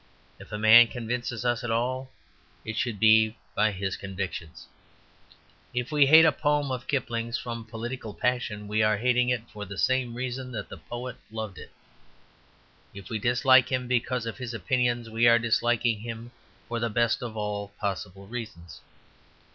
If a man convinces us at all, it should be by his convictions. If we hate a poem of Kipling's from political passion, we are hating it for the same reason that the poet loved it; if we dislike him because of his opinions, we are disliking him for the best of all possible reasons.